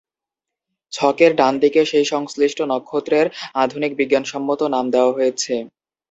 ছকের ডানদিকে সেই সংশ্লিষ্ট নক্ষত্রের আধুনিক বিজ্ঞানসম্মত নাম দেওয়া হয়েছে।